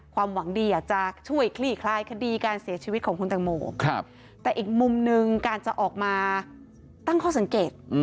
ความหวังดีอยากจะช่วยคลี่คลายคดีการเสียชีวิตของคุณตังโมแต่อีกมุมหนึ่งการจะออกมาตั้งข้อสังเกต